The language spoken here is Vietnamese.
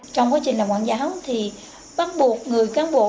trong quá trình làm quản giáo thì bắt buộc người cán bộ